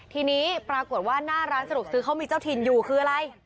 ทีนี้ปรากฏว่าหน้าร้านสะดวกซื้อเขามีเจ้าถิ่นอยู่คืออะไร